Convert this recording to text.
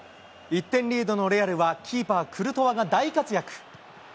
１点リードのレアルは、キーパー、クルトワが大活躍。